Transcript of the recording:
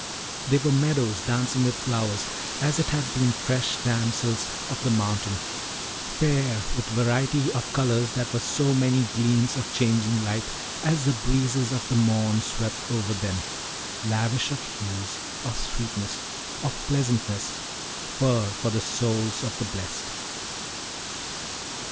They were meadows dancing with flowers, as it had been fresh damsels of the mountain, fair with variety of colours that were so many gleams of changing light as the breezes of the morn swept over them; lavish of hues, of sweetness, of pleasantness, fir for the souls of the blest.